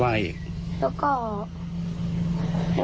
แล้วเขาก็อะไรอีก